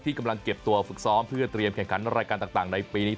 กำลังเก็บตัวฝึกซ้อมเพื่อเตรียมแข่งขันรายการต่างในปีนี้